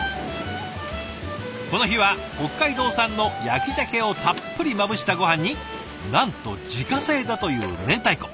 この日は北海道産の焼きじゃけをたっぷりまぶしたごはんになんと自家製だというめんたいこ。